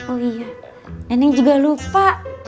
oh iya neneng juga lupa